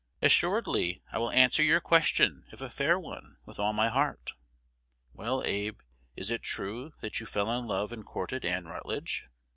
"'Assuredly. I will answer your question, if a fair one, with all my heart.' "'Well, Abe, is it true that you fell in love and courted Ann Rutledge?'